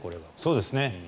そうですね。